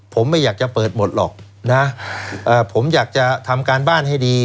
ผมไม่อยากจะเปิดหมดหรอกนะผมอยากจะทำการบ้านให้ดี